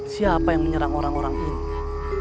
siapa yang menyerang orang orang ini